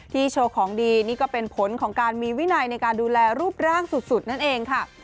โชว์ของดีนี่ก็เป็นผลของการมีวินัยในการดูแลรูปร่างสุดนั่นเองค่ะ